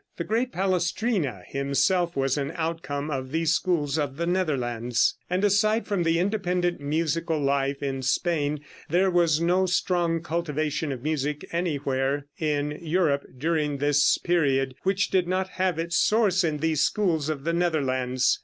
The great Palestrina himself was an outcome of these schools of the Netherlands, and, aside from the independent musical life in Spain, there was no strong cultivation of music anywhere in Europe during this period, which did not have its source in these schools of the Netherlands.